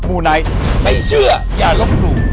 มูไนท์ไม่เชื่ออย่าลบหลู่